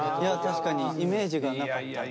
確かにイメージがなかった。